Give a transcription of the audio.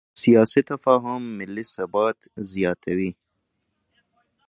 سیاسي تفاهم ملي ثبات زیاتوي